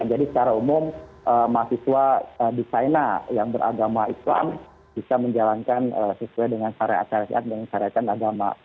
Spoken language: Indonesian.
jadi secara umum mahasiswa di saina yang beragama islam bisa menjalankan sesuai dengan syariah syariah dan syariah agama